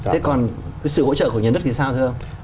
thế còn sự hỗ trợ của nhân đất thì sao thưa ông